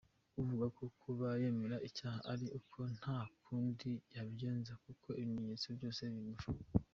Avuga ko kuba yemera icyaha ari uko nta kundi yabigenza kuko ibimenyetso byose bimufata.